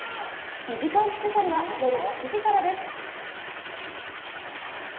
２時間スペシャルは夜７時からです。